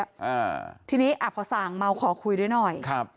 อ่าทีนี้อ่ะพอสั่งเมาขอคุยด้วยหน่อยครับ